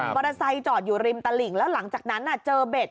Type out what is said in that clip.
มอเตอร์ไซส์จอดอยู่ริมตะหลิงแล้วหลังจากนั้นเจอเบ็ด